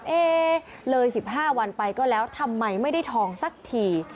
เอ๊เลย๑๕วันไปก็แล้วทำไมไม่ได้ทองสักที